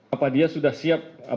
apa dia sudah siap